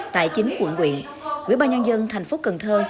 tại chính quận quyện ubnd tp cần thơ